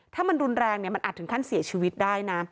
ถ้ามันรุนแรงเนี่ยมันอาจถึงขั้นเสียชีวิตได้นะ